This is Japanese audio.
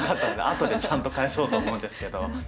後でちゃんと返そうと思うんですけど。